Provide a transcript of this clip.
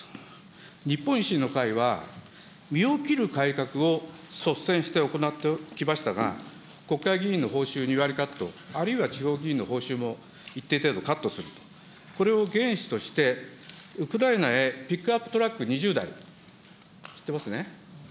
日本維新の会は、身を切る改革を率先して行ってきましたが、国会議員の報酬２割カット、あるいは地方議員の報酬も一定程度カットすると、これを原資として、ウクライナへピックアップトラック２０台、知ってますね。